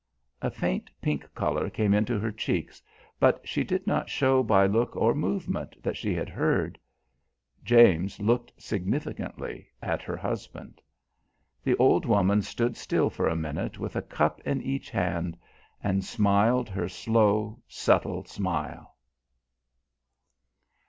A faint pink colour came into her cheeks, but she did not show by look or movement that she had heard. James looked significantly at her husband. The old woman stood still for a minute with a cup in each hand and smiled her slow, subtle smile.